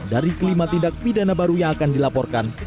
dari kelima tindak pidana baru yang akan dilaporkan